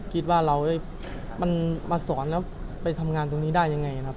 คิดว่าเรามันมาสอนแล้วไปทำงานตรงนี้ได้ยังไงนะครับ